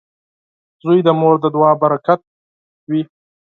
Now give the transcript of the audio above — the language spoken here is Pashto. • زوی د مور د دعا برکت وي.